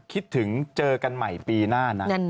คิดถึงเจอกันใหม่ปีหน้านะ